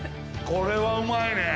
これは、うまいね！